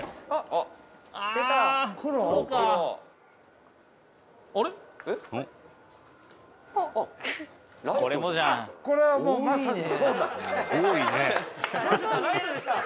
「あっこれはもうまさに」